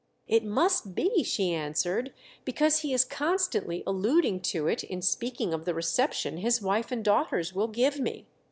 " It must be," she answered, " because he is constantly alluding to it in speaking of the reception his wife and daughters will give me.